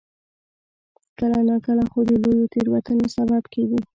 کله ناکله خو د لویو تېروتنو سبب کېږي.